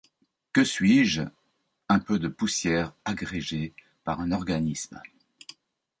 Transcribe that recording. Que suis-je? un peu de poussière agrégée par un organisme.